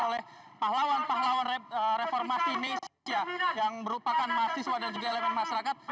oleh pahlawan pahlawan reformasi indonesia yang merupakan mahasiswa dan juga elemen masyarakat